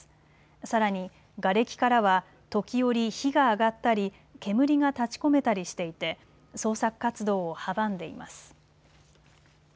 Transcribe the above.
さらに、がれきからは時折火が上がったり煙が立ちこめたりしていて捜索活動を阻んでいます。